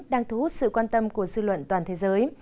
đang thu hút sự quan tâm của dư luận toàn thế giới